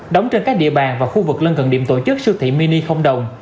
đóng trên các địa bàn và khu vực lân cận điểm tổ chức siêu thị mini không đồng